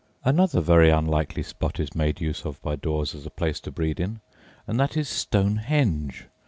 Another very unlikely spot is made use of by daws as a place to breed in, and that is Stonehenge.